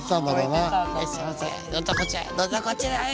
「どうぞこちらへ！